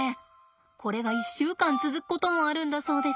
これが１週間続くこともあるんだそうです。